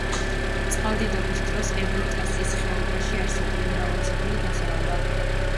წყალდიდობის დროს ევროტასის ხეობაში არსებული მრავალი სოფელი დაზარალდა.